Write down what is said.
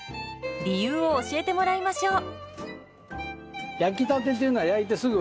理由を教えてもらいましょう。